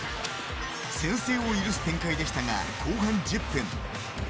先制を許す展開でしたが後半１０分。